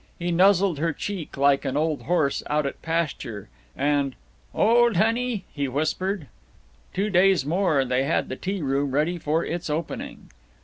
He nuzzled her cheek like an old horse out at pasture, and "Old honey!" he whispered. Two days more, and they had the tea room ready for its opening.